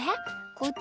こっち？